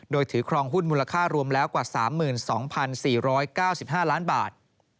โดยถือครองหุ้นมูลค่ารวมแล้วกว่า๓๒๔๙๕ล้านบาท